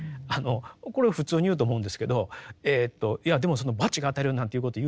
これ普通に言うと思うんですけどいやでもその罰が当たるよなんていうことを言うとですね